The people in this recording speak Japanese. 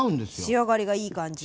仕上がりがいい感じ？